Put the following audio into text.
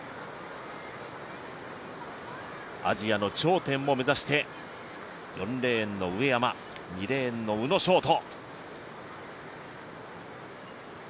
アジアの頂点を目指して４レーンの上山、２レーンの宇野勝翔。